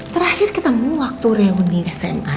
terakhir ketemu waktu reuni sma